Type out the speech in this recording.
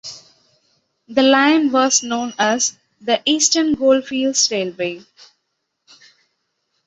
The line was known as the "Eastern Goldfields Railway".